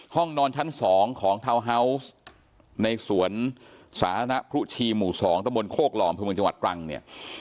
ห้องนอนชั้นสองของทาวน์ฮาวส์ในสวนศาลณะผู้ชีหมู่สองตะบนโคกหล่อมพรุงเมืองจังหวัดกรังเนี่ย